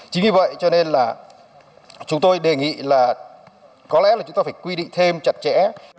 chính vì vậy cho nên là chúng tôi đề nghị là có lẽ là chúng ta phải quy định thêm chặt chẽ